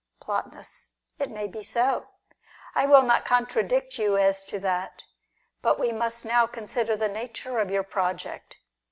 Plotinus. It may be so. I will not contradict you as to that. But we must now consider the nature of your .project.